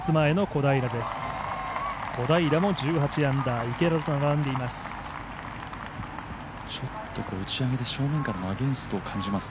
小平も１８アンダー池田と並んでいます。